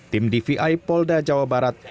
tim dvi polda jawa barat